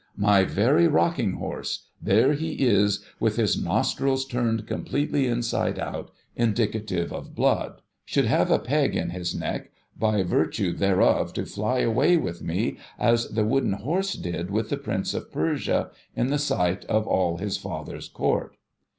My very rocking horse, — there he is, with his nostrils turned completely inside out, indicative of Blood !— should have a peg in his neck, by virtue thereof to fly away with me, as the wooden horse did with the Prince of Persia, in the sight of all his father's Court.